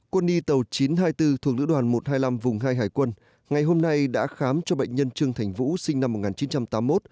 quân y tàu chín trăm hai mươi bốn thuộc lữ đoàn một trăm hai mươi năm vùng hai hải quân ngày hôm nay đã khám cho bệnh nhân trương thành vũ sinh năm một nghìn chín trăm tám mươi một